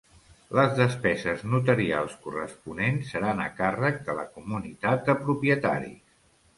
Les despeses notarials corresponents seran a càrrec de la comunitat de propietaris.